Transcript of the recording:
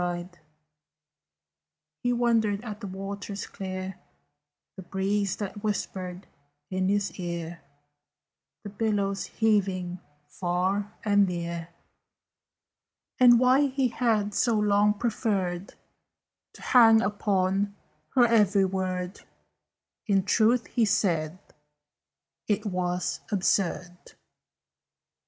[Illustration: "HE SAT AND WATCHED THE COMING TIDE"] He wondered at the waters clear, The breeze that whispered in his ear, The billows heaving far and near, And why he had so long preferred To hang upon her every word: "In truth," he said, "it was absurd."